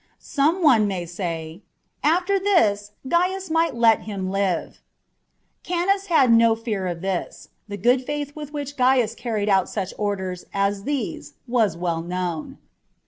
Some one may say, "After this Gaius might have let him live." Kanus had no fear of this : the good faith with which Gaius carried out such orders as these was well known.